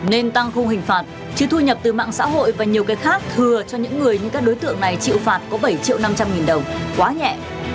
nên tăng khung hình phạt chứ thu nhập từ mạng xã hội và nhiều cách khác thừa cho những người như các đối tượng này chịu phạt có bảy triệu năm trăm linh nghìn đồng quá nhẹ